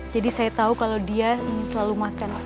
jadi saya tahu kalau dia selalu ingin makan